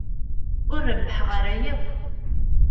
Ur rebbḥeɣ ara yakk.